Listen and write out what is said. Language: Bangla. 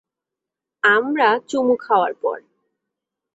আমরা চুমু খাওয়ার পর।